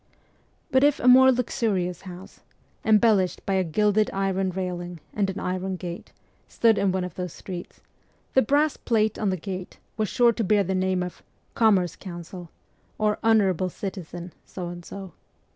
But if a more luxurious house, embellished by a gilded iron railing and an iron gate, stood in one of those streets, the brass plate on the gate was sure to bear the name of ' Commerce Counsel ' or ' Honourable Citizen ' So and So.